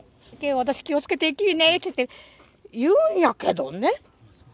私、気をつけて行きなねって言うんやけどね。